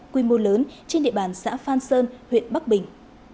quy mô lớn trên địa bàn xã phan sơn huyện bắc bình